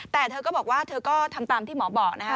แต่เธอก็บอกว่าเธอก็ทำตามที่หมอบอกนะคะ